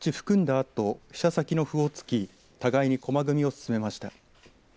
あと飛車先の歩を突き互いに駒組みを進めました。